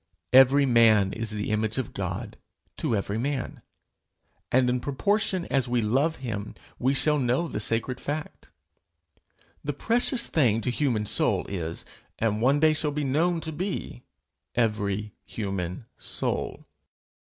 Every man is the image of God to every man, and in proportion as we love him, we shall know the sacred fact. The precious thing to human soul is, and one day shall be known to be, every human soul.